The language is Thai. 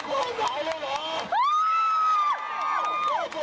ขอความไว้วางใจจากประชาชน